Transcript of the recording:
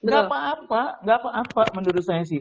gak apa apa nggak apa apa menurut saya sih